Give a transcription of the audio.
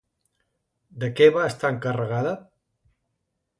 De què va estar encarregada?